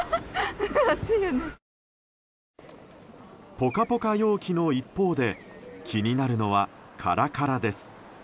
ポカポカ陽気の一方で気になるのはカラカラです。